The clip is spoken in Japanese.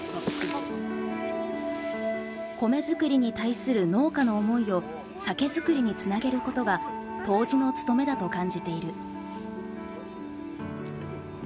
米づくりに対する農家の思いを酒造りにつなげることが杜氏の務めだと感じている。